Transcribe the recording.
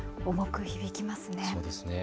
重く響きますね。